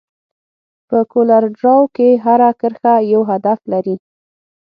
په کولر ډراو کې هره کرښه یو هدف لري.